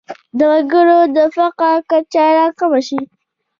د وګړو د فقر کچه راکمه شي.